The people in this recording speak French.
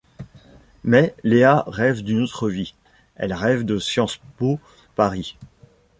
Mais Léa rêve d'une autre vie, elle rêve de Sciences Po Paris.